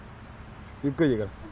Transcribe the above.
ゆっくりでいいから。